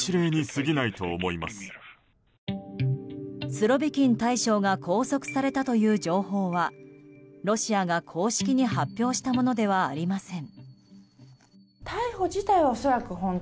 スロビキン大将が拘束されたという情報はロシアが公式に発表したものではありません。